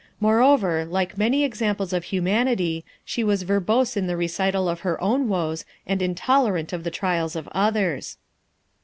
Moreover, like many examples of humanity, she was verbose in the recital of her own woes and intolerant of the trials of others.